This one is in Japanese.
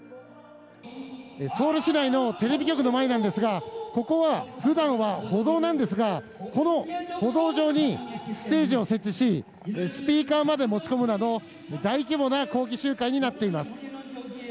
ソウル市内のテレビ局の前なんですがここは普段は歩道なんですがこの歩道上にステージを設置しスピーカーまで持ち込むなど大規模な抗議集会になっています。